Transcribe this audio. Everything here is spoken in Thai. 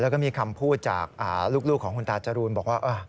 แล้วก็มีคำพูดจากลูกของคุณตาจรูนบอกว่า